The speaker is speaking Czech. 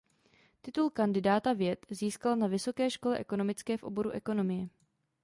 Titul kandidáta věd získal na Vysoké škole ekonomické v oboru ekonomie.